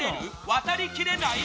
渡りきれない？